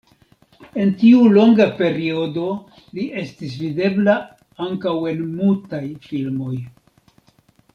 En tiu longa periodo li estis videbla ankaŭ en mutaj filmoj.